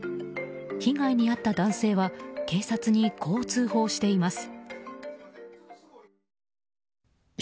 被害に遭った男性は警察にこう通報しています。